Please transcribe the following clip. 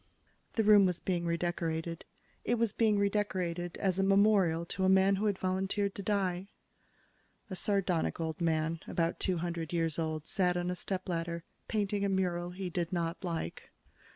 The room was being redecorated. It was being redecorated as a memorial to a man who had volunteered to die. A sardonic old man, about two hundred years old, sat on a stepladder, painting a mural he did not like.